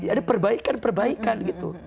ada perbaikan perbaikan gitu